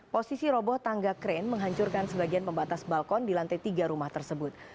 posisi roboh tangga kren menghancurkan sebagian pembatas balkon di lantai tiga rumah tersebut